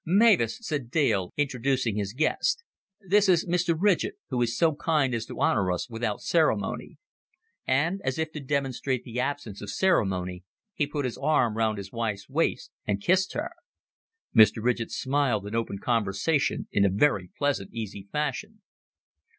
"Mavis," said Dale, introducing his guest, "this is Mr. Ridgett, who is so kind as to honor us without ceremony." And, as if to demonstrate the absence of ceremony, he put his arm round his wife's waist and kissed her. Mr. Ridgett smiled, and opened conversation in a very pleasant easy fashion.